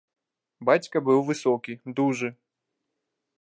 Бацька быў высокі, дужы.